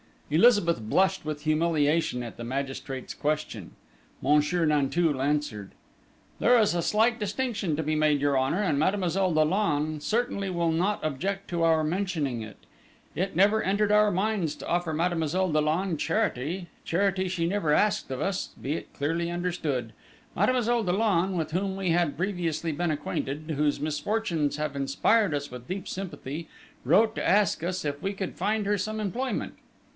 Elizabeth blushed with humiliation at the magistrate's question. Monsieur Nanteuil answered: "There is a slight distinction to be made, your Honour, and Mademoiselle Dollon certainly will not object to our mentioning it. It never entered our minds to offer Mademoiselle Dollon charity charity she never asked of us, be it clearly understood. Mademoiselle Dollon, with whom we had previously been acquainted, whose misfortunes have inspired us with deep sympathy, wrote to ask us if we could find her some employment.